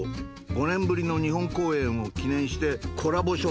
５年ぶりの日本公演を記念してコラボ商品。